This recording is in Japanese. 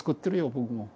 僕も。